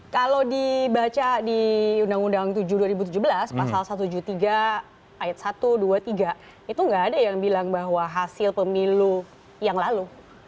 kalau dibaca di undang undang tujuh dua ribu tujuh belas pasal satu ratus tujuh puluh tiga ayat satu dua tiga itu nggak ada yang bilang bahwa hasil pemilu yang lalu